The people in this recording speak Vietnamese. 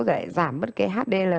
rồi lại giảm bất kỳ hdl